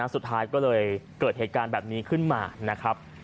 สุดท้ายก็เลยเกิดเหตุการณ์แบบนี้ขึ้นมานะครับ